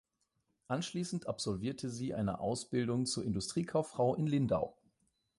Anschließend absolvierte sie eine Ausbildung zur Industriekauffrau in Lindau.